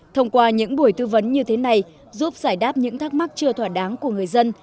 thông qua những buổi tư vấn như thế này giúp giải đáp những thắc mắc chưa thỏa đáng của người dân